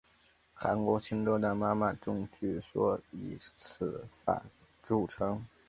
韩国庆州的妈妈钟据说以此法铸成。